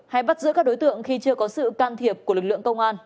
hay bắt giữ các đối tượng khi chưa có sự can thiệp của lực lượng công an